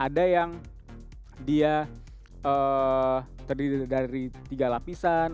ada yang dia terdiri dari tiga lapisan